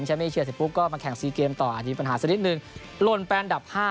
ฉันไม่เชื่อเสียปุ๊กก็มาแข่งซีเกมต่ออาจจะมีปัญหาสักนิดหนึ่ง